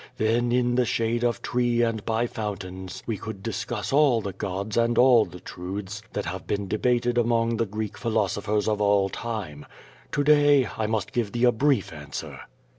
Then, in the shade of tree and by fountains, we could discuss all the gods and all tlie truths that have been debated among the Greek philos oi)hers of all time. To day, I must give thee a brief answer.